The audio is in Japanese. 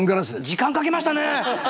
時間かけましたね！